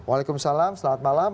waalaikumsalam selamat malam